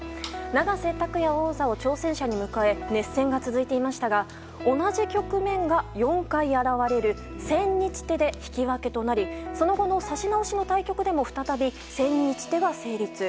永瀬拓矢王座を挑戦者に迎え熱戦が続いていましたが同じ局面が４回現れる千日手で引き分けとなりその後の指し直しの対局でも再び千日手が成立。